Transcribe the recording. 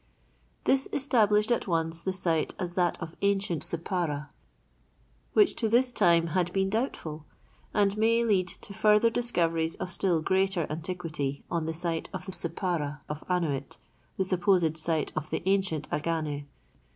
This established at once the site as that of ancient Sippara, which to this time had been doubtful, and may lead to further discoveries of still greater antiquity on the site of the Sippara of Annuit, the supposed site of the ancient Agane.